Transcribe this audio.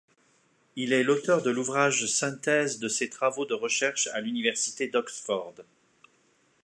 Il est l'auteur de l'ouvrage synthèse de ses travaux de recherche à l'université d'Oxford.